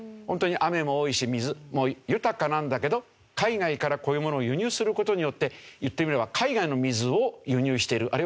本当に雨も多いし水も豊かなんだけど海外からこういうものを輸入する事によって言ってみれば海外の水を輸入している。